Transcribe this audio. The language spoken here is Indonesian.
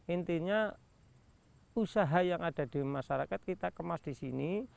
intinya usaha yang ada di masyarakat kita kemas di sini